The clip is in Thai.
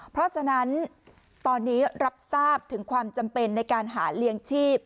เพราะฉะนั้นตอนนี้รับทราบถึงความจำเป็นในการหาเลี้ยงชีพ